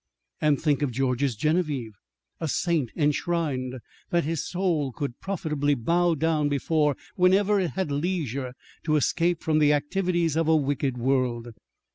And think of George's Genevieve! A saint enshrined, that his soul could profitably bow down before whenever it had leisure to escape from the activities of a wicked world.